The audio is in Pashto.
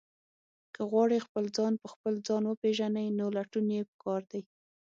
که غواړئ خپل ځان په خپل ځان وپېژنئ، نو لټون یې پکار دی.